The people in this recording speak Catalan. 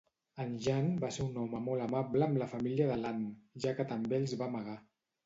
En Jan va ser un home molt amable amb la família de l'Anne, ja que també els va amagar.